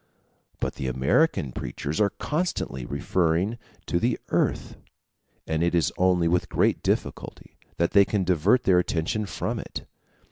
But the American preachers are constantly referring to the earth; and it is only with great difficulty that they can divert their attention from it.